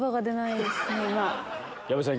矢部さん